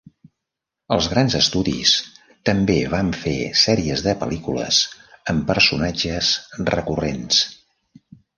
Els grans estudis també van fer sèries de pel·lícules amb personatges recurrents.